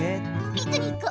ピクニック